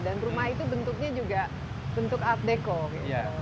dan rumah itu bentuknya juga bentuk art deco gitu